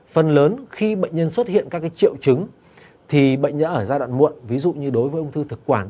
phần lớn khi bệnh nhân xuất hiện các triệu chứng thì bệnh đã ở giai đoạn muộn ví dụ như đối với ung thư thực quản